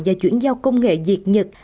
và chuyển giao công nghệ việt nhật